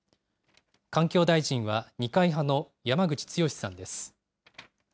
環境大臣は二階派の山口壯さんです。